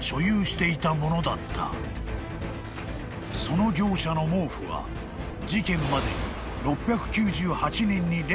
［その業者の毛布は事件までに］